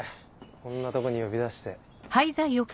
こんなとこに呼び出して。